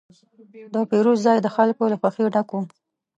د پیرود ځای د خلکو له خوښې ډک و.